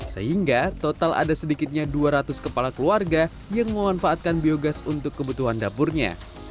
sehingga total ada sedikitnya dua ratus kepala keluarga yang memanfaatkan biogas untuk kebutuhan dapurnya